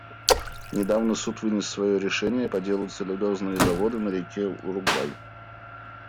Недавно Суд вынес свое решение по делу «Целлюлозные заводы на реке Уругвай».